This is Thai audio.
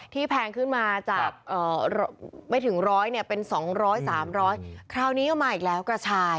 แพงขึ้นมาจากไม่ถึงร้อยเนี่ยเป็น๒๐๐๓๐๐คราวนี้ก็มาอีกแล้วกระชาย